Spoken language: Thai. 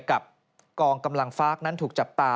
กับกองกำลังฟาร์กนั้นถูกจับตา